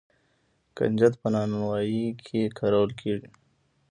کنجد په نانوايۍ کې کارول کیږي.